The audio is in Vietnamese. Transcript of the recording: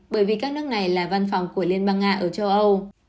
bởi vì các nước này là văn phòng của liên bang nga ở châu âu